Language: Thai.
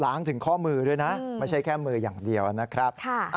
ถึงข้อมือด้วยนะไม่ใช่แค่มืออย่างเดียวนะครับ